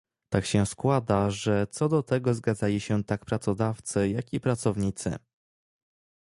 Tak się składa, że co do tego zgadzali się tak pracodawcy, jak i pracownicy